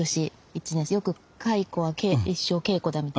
よく蚕は一生稽古だみたいな言いますよね。